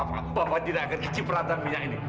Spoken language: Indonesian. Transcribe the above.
dan juga jadi kualitatif